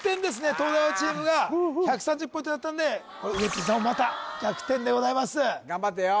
東大王チームが１３０ポイントになったんでこれ上辻さんをまた逆転でございます頑張ってよ